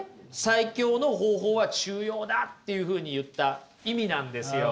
最強の方法は中庸だっていうふうに言った意味なんですよ。